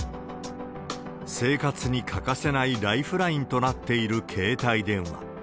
生活に欠かせないライフラインとなっている携帯電話。